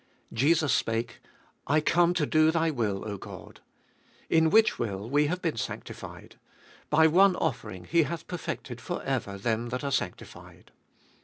Jesus spake : I come to do Thy will, 0 God. In which will we have been sanctified. By one offering He hath perfected for ever them that are sanctified.